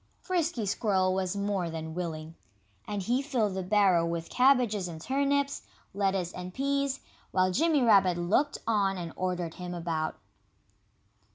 Frisky Squirrel was more than willing. And he filled the barrow with cabbages and turnips, lettuce and peas, while Jimmy Rabbit looked on and ordered him about.